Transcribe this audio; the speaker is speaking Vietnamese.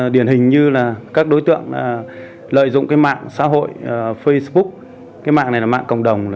điển hình như các đối tượng lợi dụng mạng xã hội facebook mạng này là mạng cộng đồng